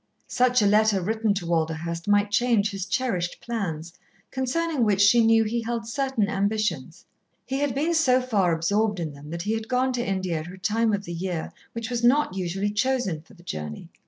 Such a letter written to Walderhurst might change his cherished plans, concerning which she knew he held certain ambitions. He had been so far absorbed in them that he had gone to India at a time of the year which was not usually chosen for the journey.